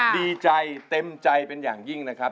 ดีใจเต็มใจเป็นอย่างยิ่งนะครับ